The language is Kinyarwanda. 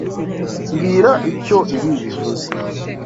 Mbwira icyo ibi bivuze.